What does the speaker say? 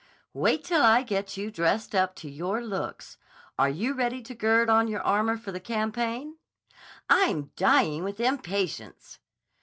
"Wait till I get you dressed up to your looks! Are you ready to gird on your armor for the campaign?" "I'm dying with impatience!"